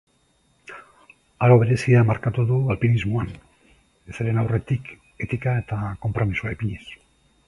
Aro berezia markatu du alpinismoan, ezeren aurretik etika eta konpromisoa ipiniz.